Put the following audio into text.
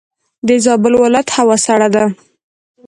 دزابل ولایت هوا سړه ده.